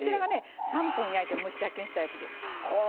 ３分焼いて蒸し焼きにしたやつです。